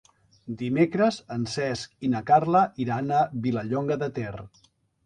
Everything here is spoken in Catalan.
Dimecres en Cesc i na Carla iran a Vilallonga de Ter.